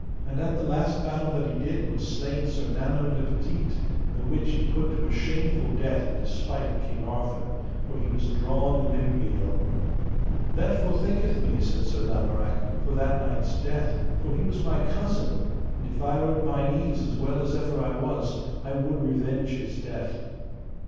And at the last battle that he did was slain Sir Nanowne le Petite, the which he put to a shameful death in despite of King Arthur, for he was drawn limb meal. That forthinketh me, said Sir Lamorak, for that knight's death, for he was my cousin; and if I were at mine ease as well as ever I was, I would revenge his death.